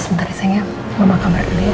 sebentar sayangnya mama ke kamar dulu ya